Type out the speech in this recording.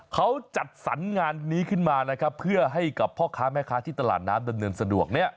เขาจัดสรรงานนี้ขึ้นมานะครับเพื่อให้กับพ่อค้าแม่ค้าที่ตลาดน้ำดำเนินสะดวกเนี่ย